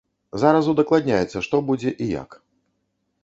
Зараз удакладняецца, што будзе і як.